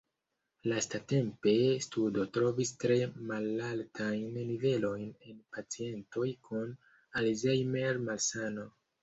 Lastatempa studo trovis tre malaltajn nivelojn en pacientoj kun Alzheimer-malsano.